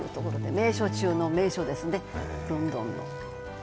名所中の名所ですね、ロンドンの。